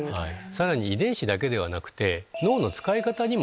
さらに遺伝子だけではなくて。